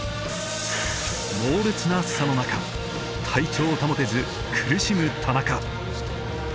猛烈な暑さの中体調を保てず苦しむ田中。